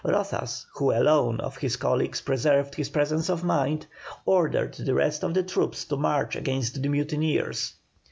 Rozas, who alone of his colleagues preserved his presence of mind, ordered the rest of the troops to march against the mutineers.